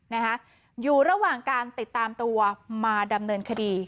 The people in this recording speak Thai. นะคะอยู่ระหว่างการติดตามตัวมาดำเนินคดี